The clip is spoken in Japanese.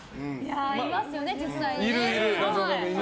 いますよね、実際にね。